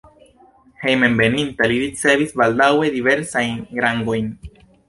Hejmenveninta li ricevis baldaŭe diversajn rangojn.